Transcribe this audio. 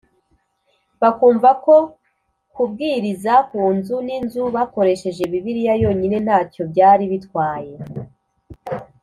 bakumva ko kubwiriza ku nzu n inzu bakoresheje Bibiliya yonyine nta cyo byari bitwaye